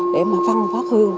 để mà phân phát hương